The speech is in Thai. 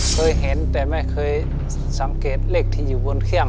เคยเห็นแต่ไม่เคยสังเกตเลขที่อยู่บนเครื่อง